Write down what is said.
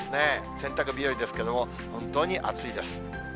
洗濯日和ですけれども、本当に暑いです。